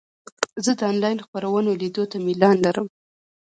زه د انلاین خپرونو لیدو ته میلان لرم.